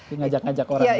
ini ngajak ngajak orang